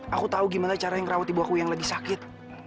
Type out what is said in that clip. aku tahu gimana cara yang ngerawat ibu aku yang lagi sakit